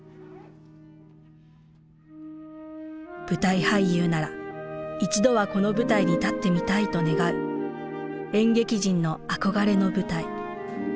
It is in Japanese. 舞台俳優なら一度はこの舞台に立ってみたいと願う演劇人の憧れの舞台。